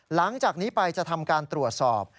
หลังจากนี้ไปจะทำการตรวจสอบ